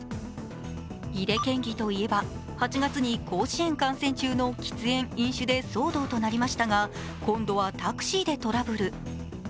井手県議といえば８月に甲子園観戦中の喫煙・飲酒で騒動となりましたが今度はタクシーでトラブル。